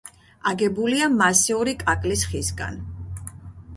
აგებულია მასიური კაკლის ხისგან.